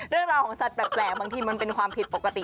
เรื่องราวของสัตว์แปลกบางทีมันเป็นความผิดปกติ